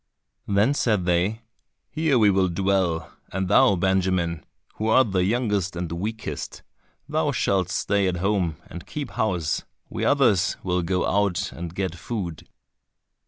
Then said they, "Here we will dwell, and thou Benjamin, who art the youngest and weakest, thou shalt stay at home and keep house, we others will go out and get food."